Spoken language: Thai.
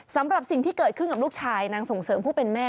สำหรับสิ่งที่เกิดขึ้นกับลูกชายนางส่งเสริมผู้เป็นแม่